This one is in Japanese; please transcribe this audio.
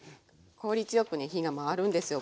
効率よくね火が回るんですよ